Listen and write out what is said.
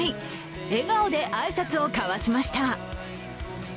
笑顔で挨拶を交わしました。